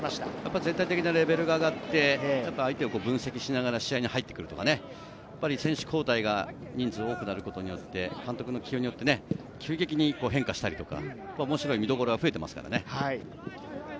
全体的なレベルが上がって、相手を分析しながら試合に入ってくるとか、選手交代が人数を多くなることによって監督の起用によって急激に変化したりとか、見どころが増えていますね。